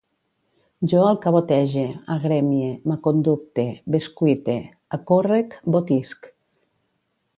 Jo alcavotege, agremie, m'aconducte, bescuite, acórrec, botisc